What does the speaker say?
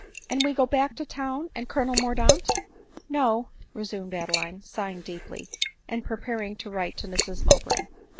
" And we go back to town and Colonel Mordaunt ?"" No," resumed Adeline, sighing deeply, and prepar ing to write to Mrs Mowbray.